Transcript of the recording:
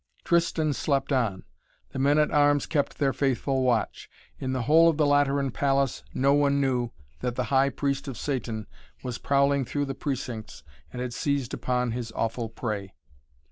Tristan slept on. The men at arms kept their faithful watch. In the whole of the Lateran Palace no one knew that the High Priest of Satan was prowling through the precincts and had seized upon his awful prey.